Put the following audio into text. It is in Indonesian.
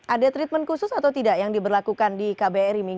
ada treatment khusus atau tidak yang diberlakukan di kbri